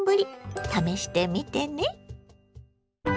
試してみてね。